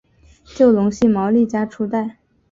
就隆系毛利家初代。